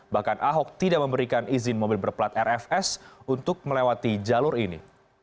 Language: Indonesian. bahkan ahok tidak memberikan izin mobil berplat rfs untuk melewati jalur ini